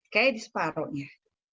kayaknya di separuhnya